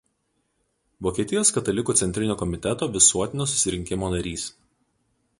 Vokietijos katalikų centrinio komiteto Visuotinio susirinkimo narys.